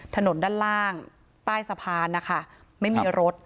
ถนนด้านล่างใต้สะพานนะคะไม่มีรถ